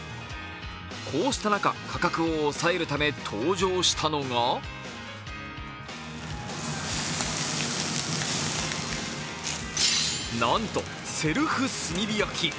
こうした中、価格を抑えるため登場したのがなんとセルフ炭火焼き。